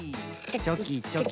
チョキチョキ。